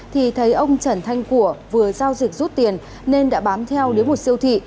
thì thấy ông trần thanh của vừa giao dịch rút tiền nên đã bám theo đến một siêu thị